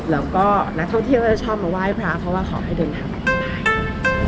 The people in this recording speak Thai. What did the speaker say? แล้วก็นักท่องเที่ยวก็จะชอบมาไหว้พระเพราะว่าขอให้เดินทางปลอดภัย